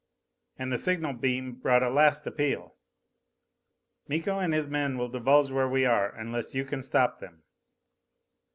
_ And the signal beam brought a last appeal: _Miko and his men will divulge where we are unless you can stop them.